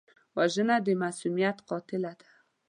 وژنه د معصومیت قاتله ده